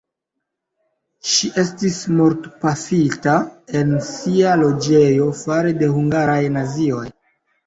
Ŝi estis mortpafita en sia loĝejo fare de hungaraj nazioj.